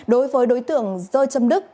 đối với đối tượng dơ trâm đức